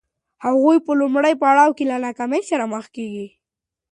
هغوی په لومړي پړاو کې له ناکامۍ سره مخ کېږي.